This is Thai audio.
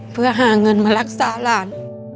เพื่อหาเงินมารักษาหลาน